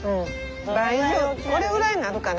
倍にこれぐらいになるかな。